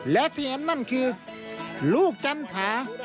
และที่อันนั้นคือลูกจันทร์ผา